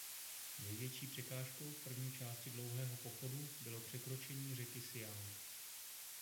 Největší překážkou v první části Dlouhého pochodu bylo překročení řeky Siang.